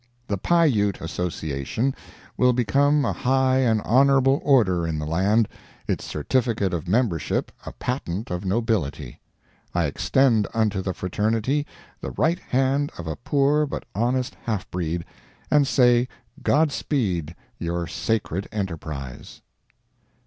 The Pah Ute Association will become a high and honorable order in the land—its certificate of membership a patent of nobility. I extend unto the fraternity the right hand of a poor but honest half breed, and say God speed your sacred enterprise.